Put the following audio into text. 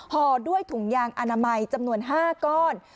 ห่อด้วยถุงยางอนามัยจำนวน๕ก้อน